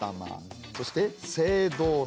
そして青銅の鏡。